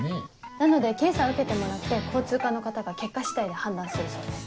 なので検査を受けてもらって交通課の方が結果次第で判断するそうです。